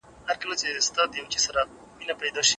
ما چي به ګیلې درته کولې اوس یې نه لرم